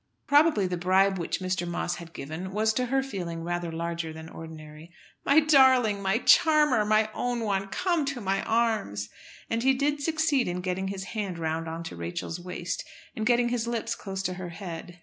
Probably the bribe which Mr. Moss had given was to her feeling rather larger than ordinary. "My darling, my charmer, my own one, come to my arms!" And he did succeed in getting his hand round on to Rachel's waist, and getting his lips close to her head.